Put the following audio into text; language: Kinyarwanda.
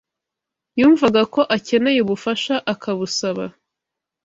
Yumvaga ko akeneye ubufasha, akabusaba